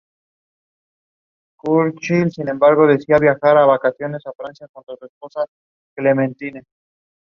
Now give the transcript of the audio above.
The format of the competition changed between its editions.